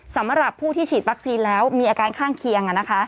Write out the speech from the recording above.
สำหรับผู้ที่ฉีดวัคซีนแล้วมีอาการข้างเคียง